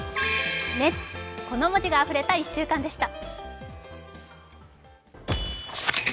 「熱」、この文字があふれた１週間でした。